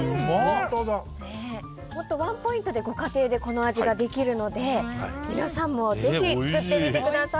本当ワンポイントでご家庭でこの味ができるので皆さんもぜひ作ってみてください。